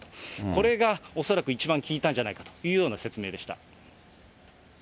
これが恐らく一番効いたんじゃないかという説明でした。